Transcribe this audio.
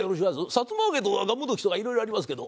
さつま揚げとかがんもどきとかいろいろありますけど。